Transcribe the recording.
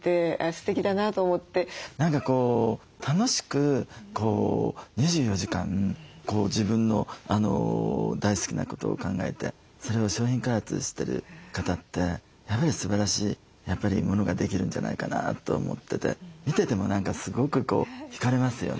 何かこう楽しく２４時間自分の大好きなことを考えてそれを商品開発してる方ってやっぱりすばらしいものができるんじゃないかなと思ってて見てても何かすごく引かれますよね。